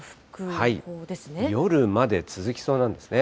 夜まで続きそうなんですね。